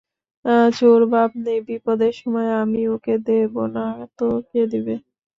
আজ ওর বাপ নেই, বিপদের সময়ে আমি ওকে দেব না তো কে দেবে?